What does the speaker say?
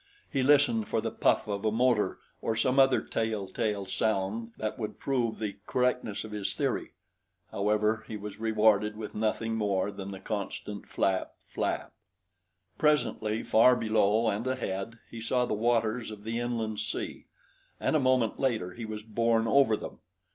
He listened for the puff of a motor or some other telltale sound that would prove the correctness of his theory. However, he was rewarded with nothing more than the constant flap flap. Presently, far below and ahead, he saw the waters of the inland sea, and a moment later he was borne over them.